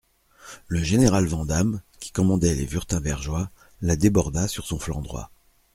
Le général Vandamme, qui commandait les Wurtembergeois, la déborda sur son flanc droit.